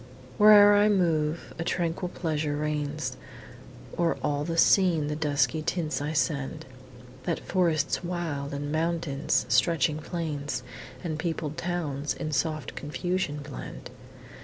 Where'er I move, a tranquil pleasure reigns; O'er all the scene the dusky tints I send, That forests wild and mountains, stretching plains And peopled towns, in soft confusion blend.